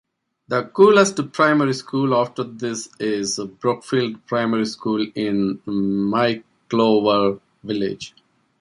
The closest primary school after this is Brookfield Primary School in Mickleover Village.